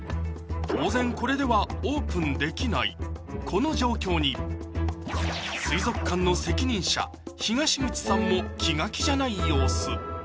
当然これではオープンできないこの状況に水族館の責任者東口さんも気が気じゃない様子